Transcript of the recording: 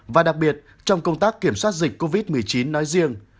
và đặc biệt trong công tác kiểm soát dịch covid một mươi chín nói riêng